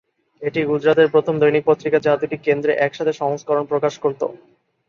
এটি গুজরাটের প্রথম দৈনিক পত্রিকা যা দুটি কেন্দ্রে একসাথে সংস্করণ প্রকাশ করত।